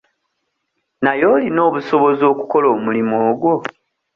Naye olina obusobozi okukola omulimu ogwo?